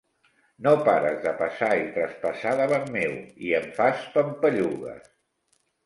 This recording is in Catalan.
No pares de passar i traspassar davant meu i em fas pampallugues!